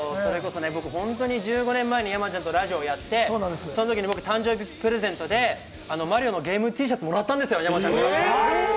それこそ僕、１５年くらい前に山ちゃんとラジオやって、その時、僕、誕生日プレゼントでマリオのゲームＴシャツもらったんですよ、山ちゃんから。